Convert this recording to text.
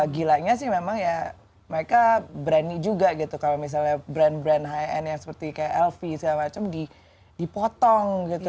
gilanya sih memang ya mereka berani juga gitu kalau misalnya brand brand high end yang seperti kayak elvi segala macam dipotong gitu